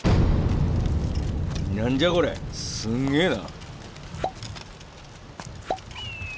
何じゃこれすげえな！